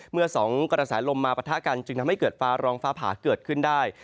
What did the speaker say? เมื่อสองกระแสลมมาปะทะกันจึงทำให้เกิดฟ้าร้องฟ้าผาเกิดขึ้นได้